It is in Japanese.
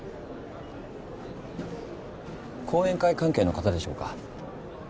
後援会関係の方でしょうか？